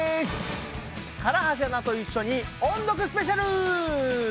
唐橋アナと一緒に音読スペシャル！